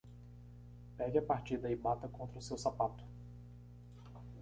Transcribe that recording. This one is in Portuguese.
Pegue a partida e bata contra o seu sapato.